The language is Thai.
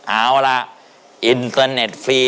เอาล่ะอินเตอร์เน็ตฟรี